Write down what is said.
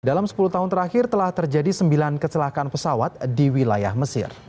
dalam sepuluh tahun terakhir telah terjadi sembilan kecelakaan pesawat di wilayah mesir